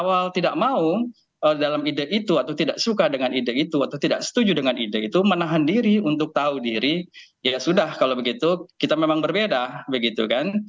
kalau tidak mau dalam ide itu atau tidak suka dengan ide itu atau tidak setuju dengan ide itu menahan diri untuk tahu diri ya sudah kalau begitu kita memang berbeda begitu kan